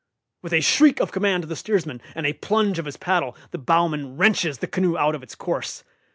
With a shriek of command to the steersman, and a plunge of his paddle, the bowman wrenches the canoe out of its course.